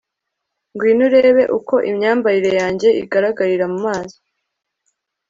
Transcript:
ngwino urebe uko imyambarire yanjye igaragarira mumazi